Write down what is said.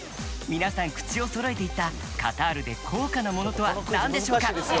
皆さん口をそろえて言ったカタールで高価なものとはなんでしょうか？